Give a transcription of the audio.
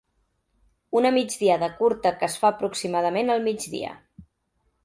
Una migdiada curta que es fa aproximadament al migdia.